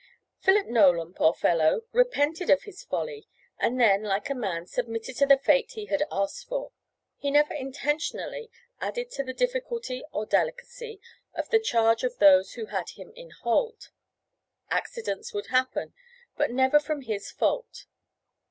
Philip Nolan, poor fellow, repented of his folly, and then, like a man, submitted to the fate he had asked for. He never intentionally added to the difficulty or delicacy of the charge of those who had him in hold. Accidents would happen; but never from his fault.